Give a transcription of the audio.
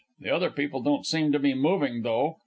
The other people don't seem to be moving, though.